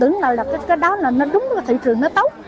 tưởng là cái đó nó đúng cái thị trường nó tốt